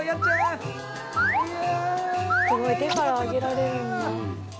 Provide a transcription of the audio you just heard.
すごい手からあげられるんだ。